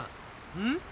うん？